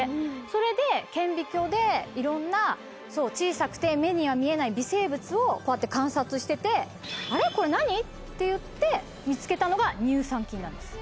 それで顕微鏡でいろんな小さくて目には見えない微生物をこうやって観察してて「あれ？これ何？」っていって見つけたのが乳酸菌なんです。